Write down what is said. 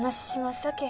さけ